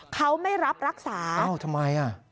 เขาไม่รับรักษาอ้าวทำไม